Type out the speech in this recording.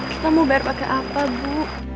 kita mau bayar pakai apa bu